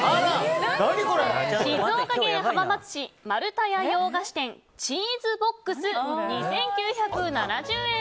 静岡県浜松市まるたや洋菓子店チーズボックス、２９７０円。